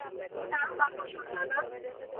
দারুণ আকর্ষণীয় না?